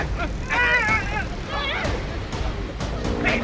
teman buruk ya